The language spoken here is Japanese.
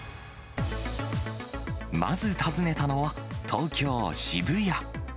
まず訪ねたのは、東京・渋谷。